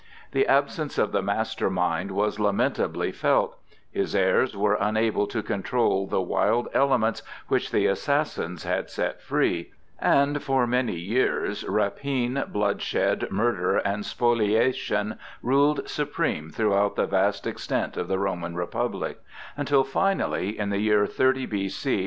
The absence of the master mind was lamentably felt; his heirs were unable to control the wild elements which the assassins had set free; and for many years, rapine, bloodshed, murder, and spoliation ruled supreme throughout the vast extent of the Roman Republic, until finally, in the year 30 B.C.